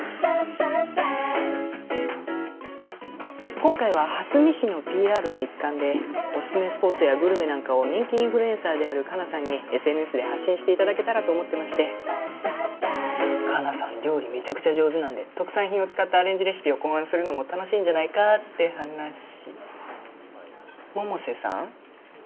今回は蓮見市のＰＲの一環でオススメスポットやグルメなんかを人気インフルエンサーである香菜さんにＳＮＳで発信していただけたらと思ってまして香菜さん料理メチャクチャ上手なんで特産品を使ったアレンジレシピを考案するのも楽しいんじゃないかって話百瀬さん？